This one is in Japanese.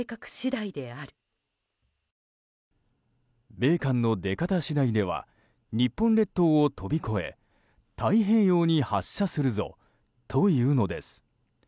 米韓の出方次第では日本列島を飛び越え太平洋に発射するぞというのです。